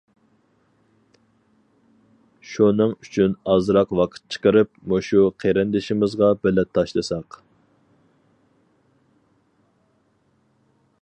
شۇنىڭ ئۈچۈن ئازراق ۋاقىت چىقىرىپ، مۇشۇ قېرىندىشىمىزغا بېلەت تاشلىساق.